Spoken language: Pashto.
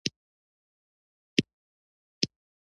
یعنې د انسانانو یوه اړتیا پوره کړي.